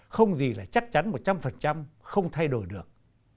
không gì là chắc chắn một trăm linh không thay đổi được